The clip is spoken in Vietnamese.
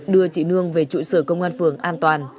đưa chị nương về trụ sở công an phường an toàn